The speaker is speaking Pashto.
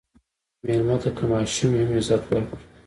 مېلمه ته که ماشوم وي، هم عزت ورکړه.